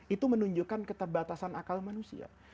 itu menunjukkan keterbatasan akal manusia